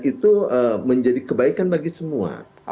itu menjadi kebaikan bagi semua